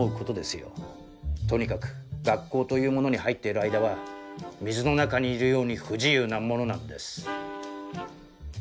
とにかく学校というものに入っている間は水の中にいるように不自由なものなんです。